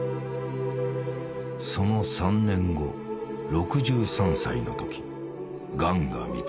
その３年後６３歳の時がんが見つかった。